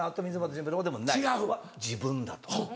自分だと。